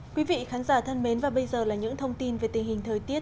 quý vị khán giả thân mến và bây giờ là những thông tin về tình hình thời tiết